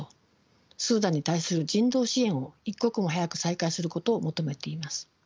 スーダンに対する人道支援を一刻も早く再開することを求めています。